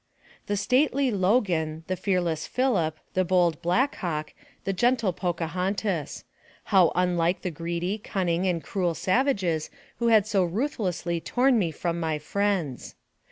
The stately Logan, the fearless Philip, the bold Black Hawk, the gentle Pocahontas: how unlike the greedy, cunning and cruel savages who had so ruth lessly torn me from my friends!